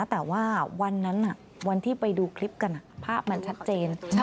แต่ว่าวันนั้นวันที่ไปดูคลิปกันภาพมันชัดเจน